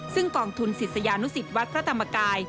ซึ่งกองทุนศิษยานุสิตวัดพระธรรมกาย